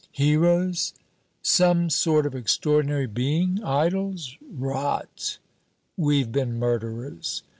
"Heroes? Some sort of extraordinary being? Idols? Rot! We've been murderers.